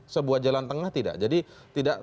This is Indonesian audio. sebuah jalan tengah tidak jadi tidak